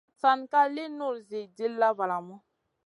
San ka lì nul Zi dilla valamu.